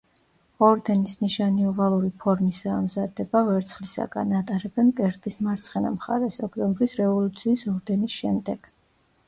ორდენის ნიშანი ოვალური ფორმისაა, მზადდება ვერცხლისაგან, ატარებენ მკერდის მარცხენა მხარეს, ოქტომბრის რევოლუციის ორდენის შემდეგ.